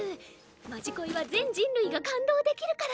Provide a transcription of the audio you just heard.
「まじこい」は全人類が感動できるから。